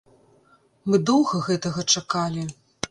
Мы доўга гэтага чакалі.